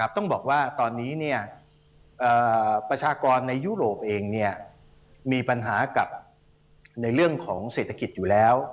ต้องบอกว่าตอนนี้ประชากรในยุโรปเองมีปัญหากับในเรื่องของเศรษฐกิจอยู่แล้ว